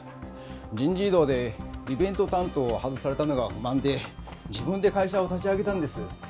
人事異動でイベント担当を外されたのが不満で自分で会社を立ち上げたんです。